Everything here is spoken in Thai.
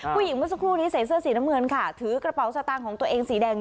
เมื่อสักครู่นี้ใส่เสื้อสีน้ำเงินค่ะถือกระเป๋าสตางค์ของตัวเองสีแดง